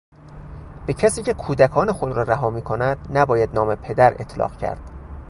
به کسی که کودکان خود را رها میکند نباید نام پدر اطلاق کرد.